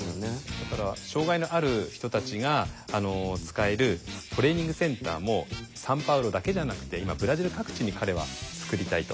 だから障害のある人たちが使えるトレーニングセンターもサンパウロだけじゃなくて今ブラジル各地に彼はつくりたいと。